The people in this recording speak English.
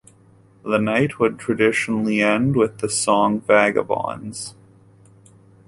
The night would traditionally end with the song Vagabonds.